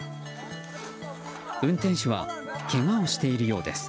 運転手はけがをしているようです。